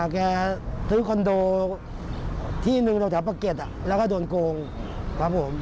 แกทับคอนโดที่หนึ่งถึงแถวปากเกร็ดและก็โดนโกงครับผม